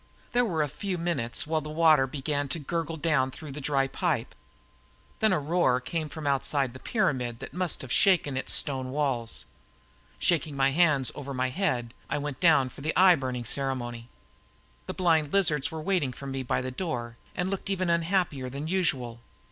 There were a few minutes while the water began to gurgle down through the dry pipe. Then a roar came from outside the pyramid that must have shaken its stone walls. Shaking my hands once over my head, I went down for the eye burning ceremony. The blind lizards were waiting for me by the door and looked even unhappier than usual.